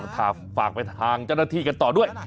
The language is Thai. ฝากไปทางเจ้าหน้าที่กันต่อด้วย